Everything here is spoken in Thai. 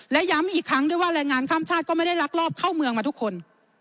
และย้ำอีกครั้งด้วยว่าแรงงานข้ามชาติก็ไม่ได้ลักลอบเข้าเมืองมาทุกคน